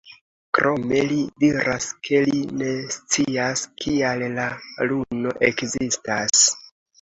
Krome li diras, ke li ne scias, kial la luno ekzistas.